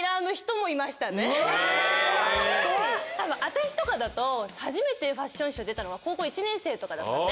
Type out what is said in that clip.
私とかだと初めてファッションショー出たのが高校１年生とかだったんで。